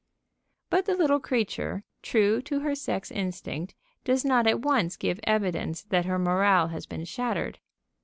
But the little creature, true to her sex instinct, does not at once give evidence that her morale has been shattered.